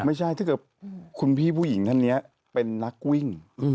ถ้าเกิดคุณพี่ผู้หญิงท่านนี้เป็นนักวิ่ง